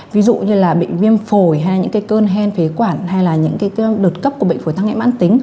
ví dụ như là bệnh viêm phổi hay là những cái cơn hen phế quản hay là những cái đợt cấp của bệnh phổi thăng nghệ mãn tính